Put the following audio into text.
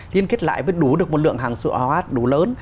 liên kết lại mới đủ được một lượng hàng sữa hóa đủ lớn